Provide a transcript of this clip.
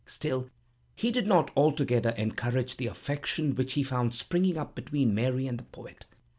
Still he did not altogether encourage the affection which he found springing up between Mary and the poet.